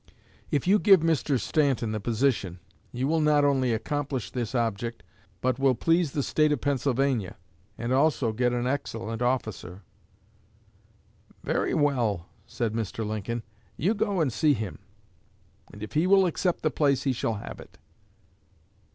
If you give Mr. Stanton the position, you will not only accomplish this object but will please the State of Pennsylvania and also get an excellent officer.' 'Very well,' said Mr. Lincoln, 'you go and see him, and if he will accept the place he shall have it.'